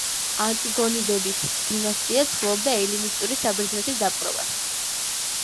ანტიგონიდების დინასტია ცდილობდა ელინისტური საბერძნეთის დაპყრობას.